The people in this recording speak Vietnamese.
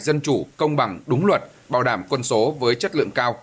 dân chủ công bằng đúng luật bảo đảm quân số với chất lượng cao